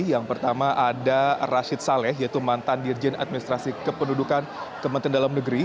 yang pertama ada rashid saleh yaitu mantan dirjen administrasi kependudukan kementerian dalam negeri